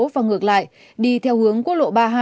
và ngược lại đi theo hướng quốc lộ ba mươi hai